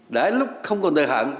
đã lúc không còn thời hạn